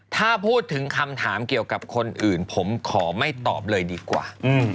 ถ้าพูดถึงคำถามเกี่ยวกับคนอื่นผมขอไม่ตอบเลยดีกว่า